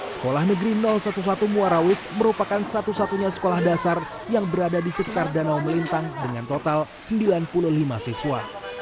sekolah negeri sebelas muarawis merupakan satu satunya sekolah dasar yang berada di sekitar danau melintang dengan total sembilan puluh lima siswa